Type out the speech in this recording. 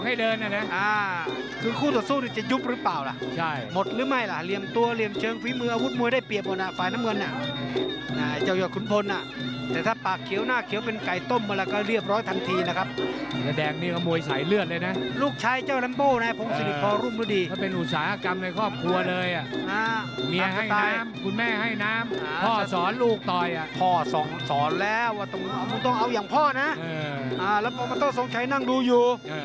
หลายคู่ส่วนสู้ด้วยจะยุบรึเปล่าล่ะใช่หมดรึไม่ล่ะเหลี่ยมตัวเหลี่ยมเชิงพีมืออาวุธมวยได้เปรียบบนอ่าฝ่ายน้ำเงินน่ะอ่าไอ้เจ้าหย่อคุณพลน่ะแต่ถ้าปากเขียวหน้าเขียวเป็นไก่ต้มปรแล้วก็เรียบร้อยทันทีน่ะครับและแดงนี้ก็โมยใส่เลือดเลยนะลูกชายเจ้าน่ะภูมิสนิทพอรุ่